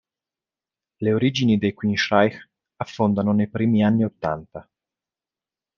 Le origini dei Queensrÿche affondano nei primi anni ottanta.